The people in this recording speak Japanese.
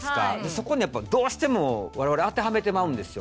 そこにやっぱどうしても我々当てはめてまうんですよ。